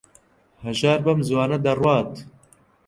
هەژار بەم زووانە دەڕوات.